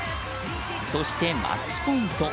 そしてマッチポイント。